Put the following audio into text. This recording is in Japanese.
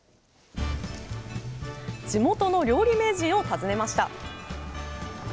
地元の料理名人を訪ねました